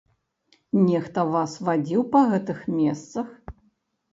Нехта вас вадзіў па гэтых месцах?